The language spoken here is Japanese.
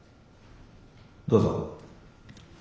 どうぞ。